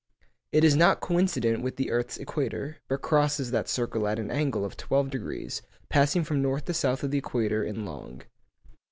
It is not coincident with the earth's equator, but crosses that circle at an angle of twelve degrees, passing from north to south of the equator in long.